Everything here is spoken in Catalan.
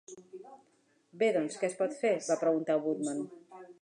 Bé, doncs, què es pot fer? va preguntar Woodman.